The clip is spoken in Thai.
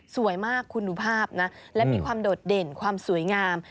สวยมากคุณดูภาพนะและมีความโดดเด่นความสวยงาม